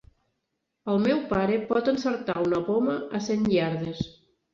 El meu pare pot encertar a una poma a cent iardes!